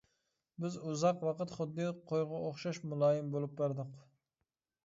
بىز ئۇزاق ۋاقىت خۇددى قويغا ئوخشاش مۇلايىم بولۇپ بەردۇق.